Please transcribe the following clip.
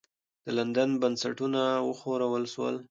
د لندن بنسټونه وښورول سول.